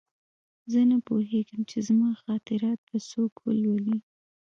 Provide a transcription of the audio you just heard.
زه نه پوهېږم چې زما خاطرات به څوک ولولي